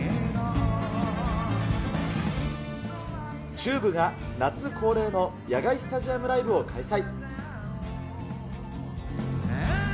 ＴＵＢＥが夏恒例の野外スタジアムライブを開催。